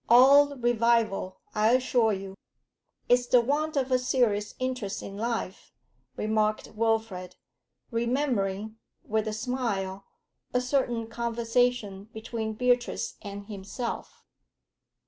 All revival, I assure you.' 'It's the want of a serious interest in life,' remarked Wilfrid, remembering, with a smile, a certain conversation between Beatrice and himself.